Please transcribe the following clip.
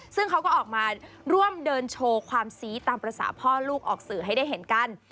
ซึ่งเขาก็ออกมาร่วมเดินโชว์ความซี้ตามภาษาพ่อลูกออกสื่อให้ได้เห็นกัน